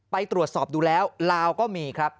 ไปตรวจสอบดูแล้วลาวก็มีครับ